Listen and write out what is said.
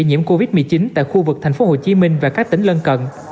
nhiễm covid một mươi chín tại khu vực tp hcm và các tỉnh lân cận